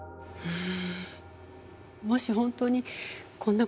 うん。